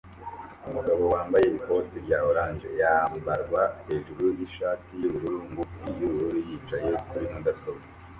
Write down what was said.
Umugabo wambaye ikoti rya orange yambarwa hejuru yishati yubururu ngufi yubururu yicaye kuri mudasobwa